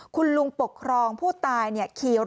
คุณลุงปกครองผู้ตายขี่รถ